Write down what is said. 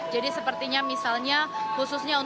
jadi sepertinya misalnya